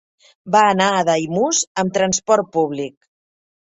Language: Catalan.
Va anar a Daimús amb transport públic.